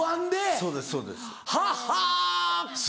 そうですそうです。